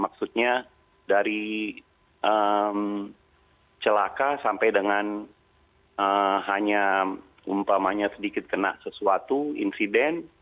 maksudnya dari celaka sampai dengan hanya umpamanya sedikit kena sesuatu insiden